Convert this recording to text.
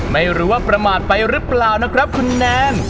ไม่รู้ว่าประมาทไปหรือเปล่านะครับคุณแนน